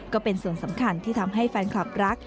ก็เป็นส่วนสำคัญที่ทำให้แฟนคลับรัก